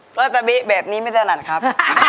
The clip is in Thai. เพราะตะเบะแบบนี้ไม่ใช่นั้นครับ